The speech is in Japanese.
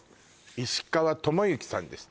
石川智之さんです